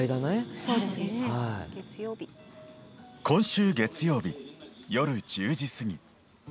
今週月曜日、夜１０時過ぎ。